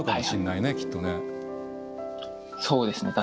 そうですね